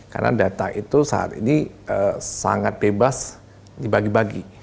karena data itu saat ini sangat bebas dibagi bagi